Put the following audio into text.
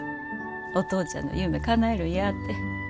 「お父ちゃんの夢かなえるんや」て。